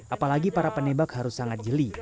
apalagi para penembak harus sangat jeli